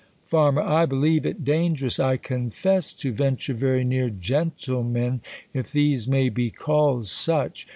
Farm. I believe it dangerous, I confess, to ven ture very near gentlemen^ if these may be called such.